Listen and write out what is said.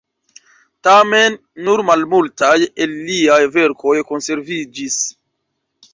Tamen nur malmultaj el liaj verkoj konserviĝis.